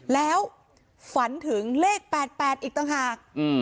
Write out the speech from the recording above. แล้วฝันถึงเลข๘๘อีกต่างหาก